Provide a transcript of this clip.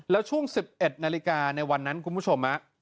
แล้วช่วง๑๑นาฬิกาในวันนั้นคุณผู้ชม